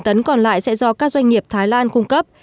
một trăm hai mươi tấn còn lại sẽ do các doanh nghiệp thái lan cung cấp